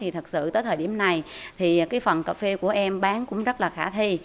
thật sự tới thời điểm này phần cà phê của em bán cũng rất là khả thi